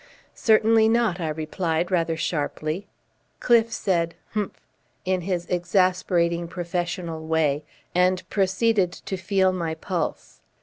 "Certainly not," I replied rather sharply. Cliffe said "Umph!" in his exasperating professional way and proceeded to feel my pulse.